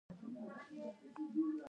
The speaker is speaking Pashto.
د انډرومیډا ګلکسي موږ ته نږدې ده.